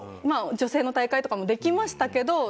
まあ女性の大会とかもできましたけど。